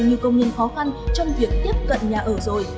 như công nhân khó khăn trong việc tiếp cận nhà ở rồi